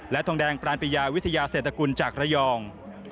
ทองแดงปรานปิยาวิทยาเศรษฐกุลจากระยอง